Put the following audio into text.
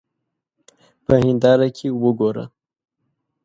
په هېنداره کې وګوره.